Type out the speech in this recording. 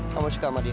kamu suka sama dia